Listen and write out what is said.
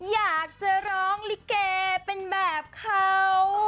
อยากจะร้องลิเกเป็นแบบเขา